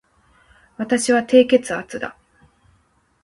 私は低血圧だ